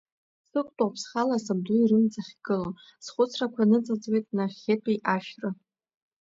Сықәтәоуп схала сабду ирымӡ ахьгылоу, схәыцрақәа ныҵаӡуеит нахьхьитәи ашәра…